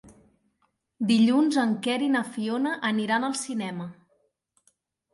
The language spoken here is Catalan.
Dilluns en Quer i na Fiona aniran al cinema.